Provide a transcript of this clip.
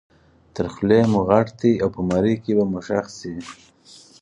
تر خولې مو غټ دی او په مرۍ کې به مو ښخ شي.